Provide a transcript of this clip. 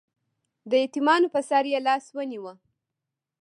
د یتیمانو په سر یې لاس ونیو